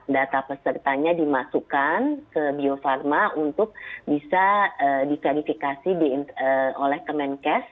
data pesertanya dimasukkan ke bio farma untuk bisa dikarifikasi oleh command case